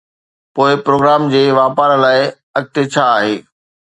پوءِ پروگرام جي واپار لاءِ اڳتي ڇا آهي؟